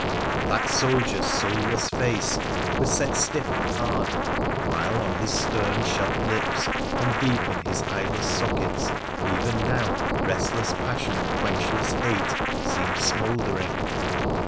And that soldier's soulless face was set stiff and hard, while on his stern, shut lips and deep in his eyeless sockets even now restless passion and quenchless hate seemed smouldering.